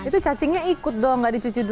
itu cacingnya ikut dong nggak dicuci dulu